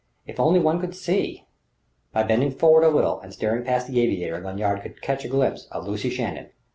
If only one could see...! By bending forward a little and staring past the aviator Lanyard could catch a glimpse of Lucy Shannon.